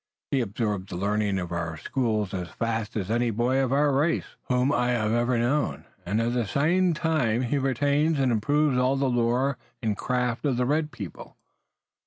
He absorbs the learning of our schools as fast as any boy of our race whom I have ever known, and, at the same time, he retains and improves all the lore and craft of the red people."